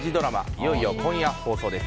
いよいよ今夜放送です。